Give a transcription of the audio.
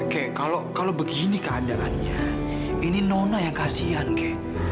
keh kalau begini keadaannya ini nona yang kasihan keh